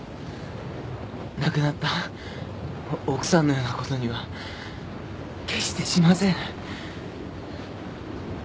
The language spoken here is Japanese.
亡くなった奥さんのようなことには決してしません。